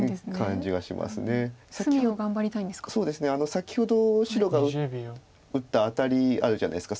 先ほど白が打ったアタリあるじゃないですか。